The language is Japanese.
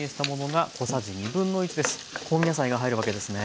香味野菜が入るわけですね。